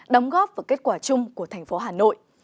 đóng góp vào kết quả chung của thành phố hà nội